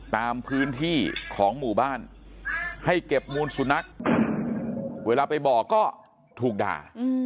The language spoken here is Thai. ตามพื้นที่ของหมู่บ้านให้เก็บมูลสุนัขเวลาไปบอกก็ถูกด่า